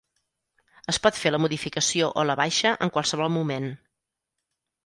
Es pot fer la modificació o la baixa en qualsevol moment.